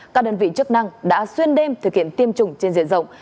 các đơn vị chức năng đã xuyên đêm thực hiện tiêm chủng trên diện rộng